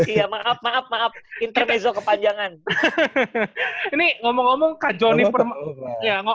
iya maaf maaf intermezzo kepanjangan